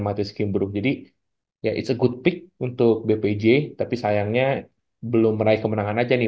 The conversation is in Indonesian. maltis kimbru jadi yah cekutpik untuk bpj tapi sayangnya belum meraih kemenangan aja nih